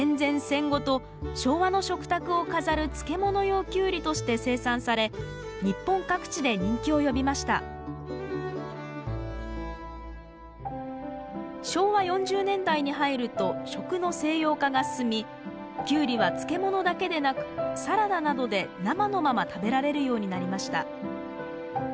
戦後と昭和の食卓を飾る漬物用キュウリとして生産され日本各地で人気を呼びました昭和４０年代に入ると食の西洋化が進みキュウリは漬物だけでなくサラダなどで生のまま食べられるようになりました